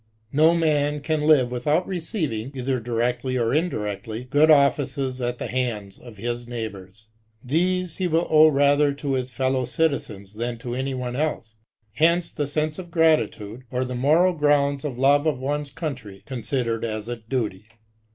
No man can live without receiving, either directly or indirectly, good offices at the hands of his neighbours. These he toill owe rather to his feUow ciiizens than to any one else. Hence the sense of gra^ titudey or the moral grounds of Love of ones Country considered as a duty.